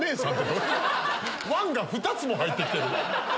ワンが２つも入ってきてる。